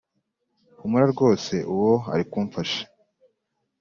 humura rwose uwo arikumfasha